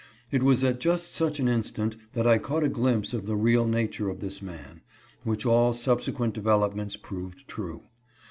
It was at such an instant that I caught a glimpse of the real nature of this man, which all subsequent developments proved true.